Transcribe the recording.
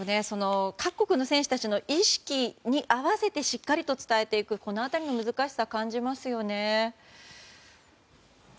各国の選手たちの意識に合わせてしっかりと伝えていくこの辺りの難しさ感じますね。